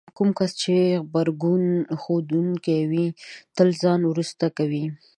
کوم کس چې غبرګون ښودونکی وي تل ځان وروسته کوي.